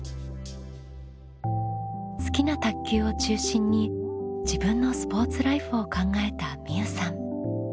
好きな卓球を中心に自分のスポーツライフを考えたみうさん。